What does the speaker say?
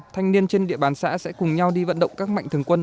thanh niên trên địa bàn xã sẽ cùng nhau đi vận động các mạnh thường quân